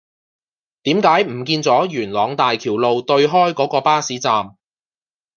點解唔見左元朗大橋路對開嗰個巴士站